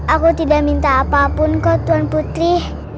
aku tidak minta apapun kau tuan putri